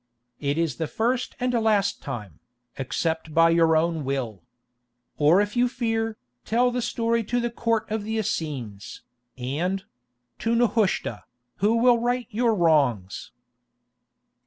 It is the first and last time, except by your own will. Or if you fear, tell the story to the Court of the Essenes, and—to Nehushta, who will right your wrongs."